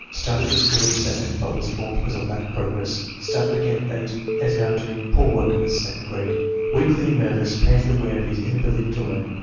Started to school at 7, but was withdrawn because of lack of progress. Started again at 8 and is HOW doing poor work in the second grade. Weakly and nervous. Painfully aware of his inability to learn.